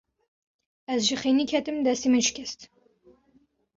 Ez ji xênî ketim, destê min şikest.